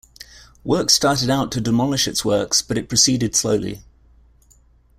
Work started out to demolish its works but it proceeded slowly.